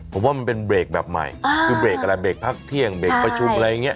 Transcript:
ผมว่ามันเป็นเบรกแบบใหม่คือเบรกอะไรเบรกพักเที่ยงเบรกประชุมอะไรอย่างนี้